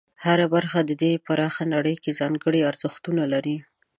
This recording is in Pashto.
هره برخه د دې پراخه نړۍ کې ځانګړي ارزښتونه لري.